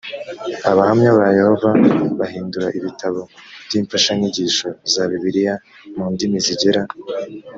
abahamya ba yehova bahindura ibitabo by imfashanyigisho za bibiliya mu ndimi zigera